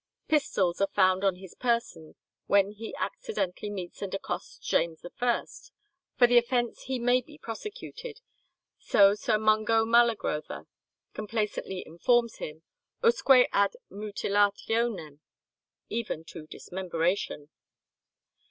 Pistols are found on his person when he accidentally meets and accosts James I. For the offence he may be prosecuted, so Sir Mungo Malagrowther complacently informs him, usque ad mutilationem, "even to dismemberation."